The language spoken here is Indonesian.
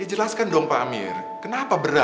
ya jelaskan dong pak amir kenapa berat